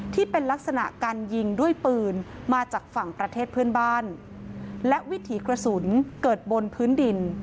ที่เป็นลักษณะการยิงด้วยปืนมาจากฝั่งประเทศเพื่อนบ้านและวิถีกระสุนเกิดบนพื้นดิน